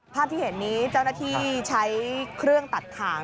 ภาพที่เห็นนี้เจ้าหน้าที่ใช้เครื่องตัดถ่าง